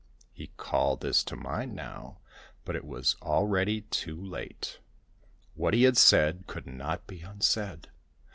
He called this to mind now, but it was already too late ; what he had said could not be unsaid.